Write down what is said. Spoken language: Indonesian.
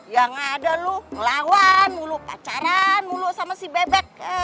yang ada lu ngelawan muluk pacaran muluk sama si bebek